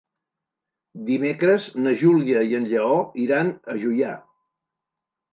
Dimecres na Júlia i en Lleó iran a Juià.